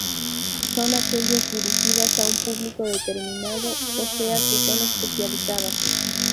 Son aquellas dirigidas a un público determinado, o sea que son especializadas.